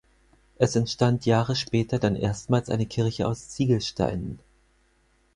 Es entstand Jahre später dann erstmals eine Kirche aus Ziegelsteinen.